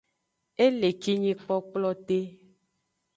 E le kinyi kplokplote.